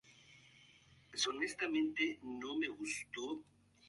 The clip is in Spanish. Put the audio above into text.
Ha trabajado en diversos proyectos audiovisuales.